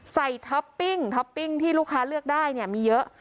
ท็อปปิ้งท็อปปิ้งที่ลูกค้าเลือกได้เนี่ยมีเยอะ